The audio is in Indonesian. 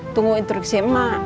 tunggu instruksi emak